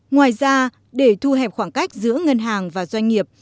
ngoài ra để thu hẹp khoảng cách giữa ngân hàng và doanh nghiệp